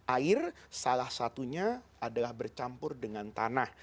air salah satunya adalah bercampur dengan tanah